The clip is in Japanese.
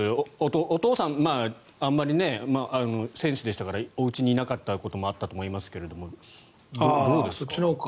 お父さん、選手でしたからおうちにいなかったこともあったと思いますけどどうですか？